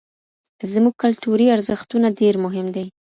زموږ کلتوري ارزښتونه ډېر مهم دي.